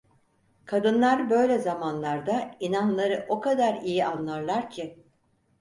Kadınlar böyle zamanlarda inanları o kadar iyi anlarlar ki!